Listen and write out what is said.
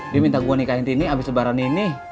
dia minta gue nikahin tini abis sebaran ini